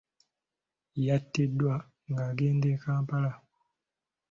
Yatiddwa ng'agenda e Kampala.